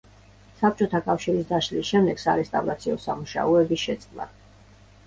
საბჭოთა კავშირის დაშლის შემდეგ სარესტავრაციო სამუშაოები შეწყდა.